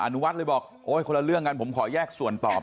นุวัฒน์เลยบอกโอ๊ยคนละเรื่องกันผมขอแยกส่วนตอบ